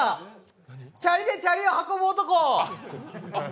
チャリでチャリを運ぶ男！